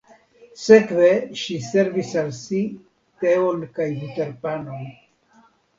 Sekve ŝi servis al si teon kaj buterpanon.